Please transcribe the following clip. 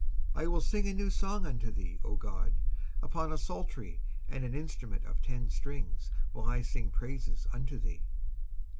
19:144:009 I will sing a new song unto thee, O God: upon a psaltery and an instrument of ten strings will I sing praises unto thee.